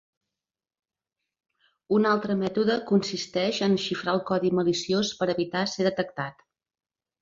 Un altre mètode consisteix en xifrar el codi maliciós per evitar ser detectat.